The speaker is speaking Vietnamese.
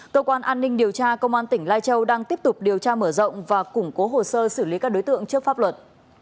cơ quan an ninh điều tra công an tỉnh lai châu đang tiếp tục điều tra mở rộng và củng cố hồ sơ xử lý các đối tượng trước pháp luật